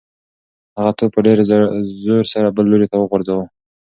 هغه توپ په ډېر زور سره بل لوري ته وغورځاوه.